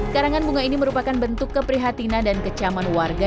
karangan bunga ini merupakan bentuk keprihatinan dan kecaman warga